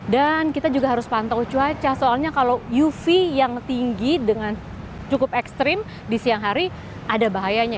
dan kita juga harus pantau cuaca soalnya kalau uv yang tinggi dengan cukup ekstrim di siang hari ada bahayanya ya